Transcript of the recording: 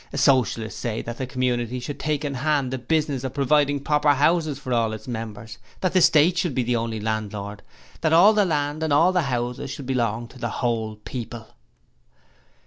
Socialists say that the community should take in hand the business of providing proper houses for all its members, that the State should be the only landlord, that all the land and all the houses should belong to the whole people...